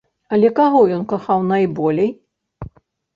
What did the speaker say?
Але каго ён кахаў найболей?